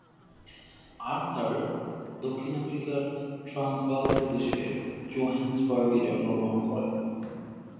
Arthur দক্ষিণ আফ্রিকার Transvaal প্রদেশের জোহেন্সবার্গে জন্মগ্রহণ করেন।